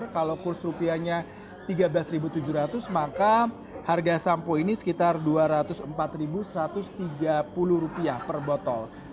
kalau kurs rupiahnya rp tiga belas tujuh ratus maka harga sampo ini sekitar rp dua ratus empat satu ratus tiga puluh per botol